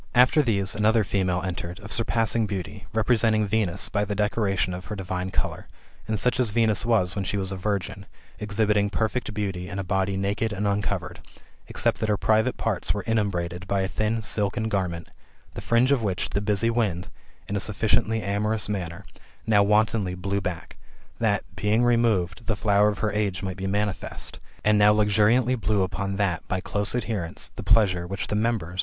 After these, another female entered, of surpassing beauty, representing Venus by the decoiation of her divine colour, and such as Venus was when she was a virgin, exhibiting perfect beauty in a body naked and un covered, except that her private parts were inumbrated by a thin silken garment, the fringe of which the busy wind, in a sufficiently amorous manner, now wantonly blew back, that, being removed, the flower of her age might be manifest, and now luxuriantly blew upon, that, by close adherence, the pleasure which the members [t.